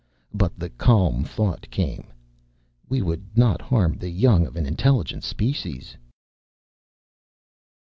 But the calm thought came, "We would not harm the young of an intelligent species."